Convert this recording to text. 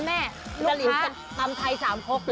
แม่ลูกค้าทำใครสามพกละ